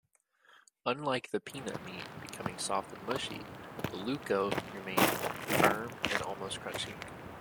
Unlike the peanut meat becoming soft and mushy, ulluco remain firm and almost crunchy.